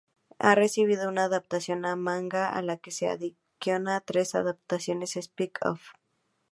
Ha recibido una adaptación a manga, a la que se adiciona tres adaptaciones spin-off.